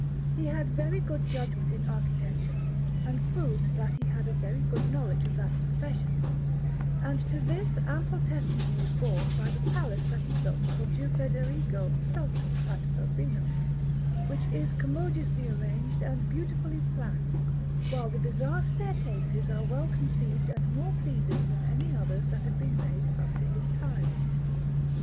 He had very good judgment in architecture, and proved that he had a very good knowledge of that profession; and to this ample testimony is borne by the palace that he built for Duke Federigo Feltro at Urbino, which is commodiously arranged and beautifully planned, while the bizarre staircases are well conceived and more pleasing than any others that had been made up to his time.